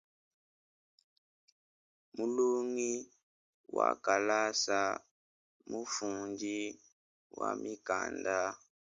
Mulongi wa kalasa mufundi wa mikanda.